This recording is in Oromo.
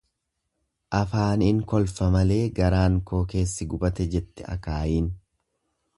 Afaaniin kolfa malee garaan koo keessi gubate jette akaayiin.